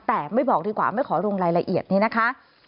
แต่ไม่บอกดีกว่าไม่ขอลงรายละเอียดนี่นะคะ